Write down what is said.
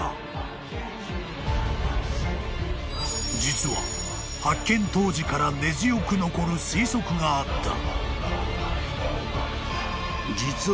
［実は発見当時から根強く残る推測があった］